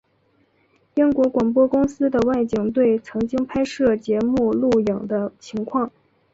英国广播公司的外景队曾经拍摄节目录影的情况。